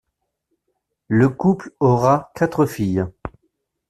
Le couple aura quatre filles.